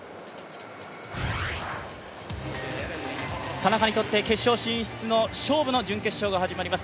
田中にとって決勝進出の勝負の準決勝が始まります。